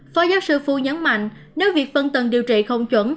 phó giáo sư phu nhấn mạnh nếu việc phân tầng điều trị không chuẩn